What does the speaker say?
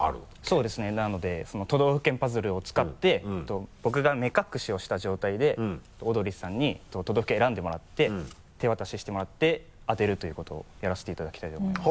そうですねなのでその都道府県パズルを使って僕が目隠しをした状態でオードリーさんに都道府県選んでもらって手渡ししてもらって当てるということをやらせていただきたいと思います。